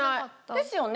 ですよね。